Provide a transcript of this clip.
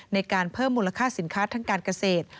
ในการเพิ่มมูลค่าสินค้าทางการเกษตร